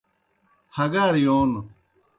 ہگار یون